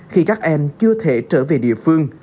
khi các em chưa thể trở về địa phương